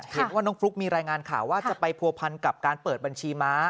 เห็นว่าน้องฟลุ๊กมีรายงานข่าวว่าจะไปผัวพันกับการเปิดบัญชีม้า